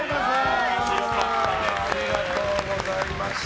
パースもありがとうございました。